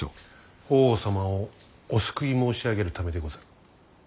法皇様をお救い申し上げるためでござる。